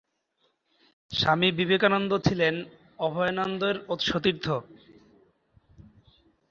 স্বামী বিবেকানন্দ ছিলেন অভেদানন্দের সতীর্থ।